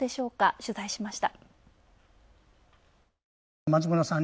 取材しました。